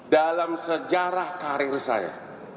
dalam sejarah karir saya